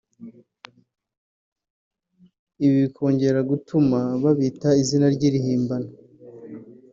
Ibi bikongera gutuma babita izina ry’irihimbano